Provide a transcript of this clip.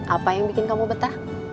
apa yang bikin kamu betah